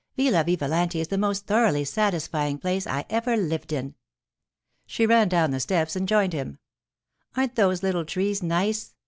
Villa Vivalanti is the most thoroughly satisfying place I ever lived in.' She ran down the steps and joined him. 'Aren't those little trees nice?